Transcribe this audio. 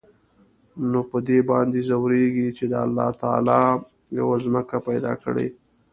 نو په دې باندې ځوريږي چې د الله تعال يوه ځمکه پېدا کړى.